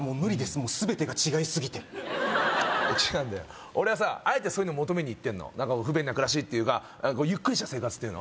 もう全てが違いすぎて違うんだよ俺はさあえてそういうの求めに行ってんの不便な暮らしっていうかゆっくりした生活っていうの？